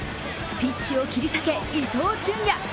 ピッチを切り裂け、伊東純也。